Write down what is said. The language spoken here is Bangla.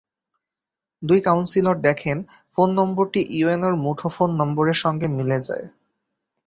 দুই কাউন্সিলর দেখেন ফোন নম্বরটি ইউএনওর মুঠোফোন নম্বরের সঙ্গে মিলে যায়।